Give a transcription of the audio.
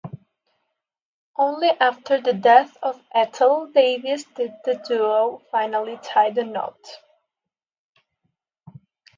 Only after the death of Ethel Davis did the duo finally tie the knot.